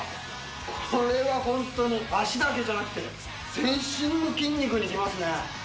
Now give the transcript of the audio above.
これはホントに脚だけじゃなくて全身の筋肉にきますね